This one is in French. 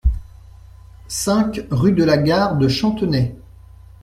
cinq rue de la Gare de Chantenay